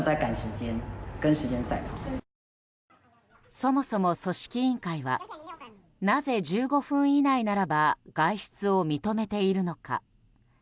そもそも、組織委員会はなぜ１５分以内ならば外出を認めているのか。